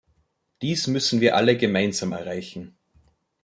Dies müssen wir alle gemeinsam erreichen.